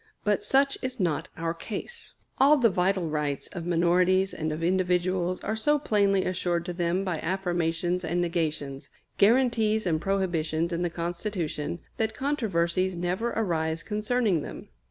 But such is not our case. All the vital rights of minorities and of individuals are so plainly assured to them by affirmations and negations, guarantees and prohibitions in the Constitution, that controversies never arise concerning them.